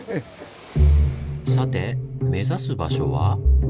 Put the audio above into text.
さて目指す場所は。